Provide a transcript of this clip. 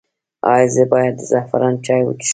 ایا زه باید د زعفران چای وڅښم؟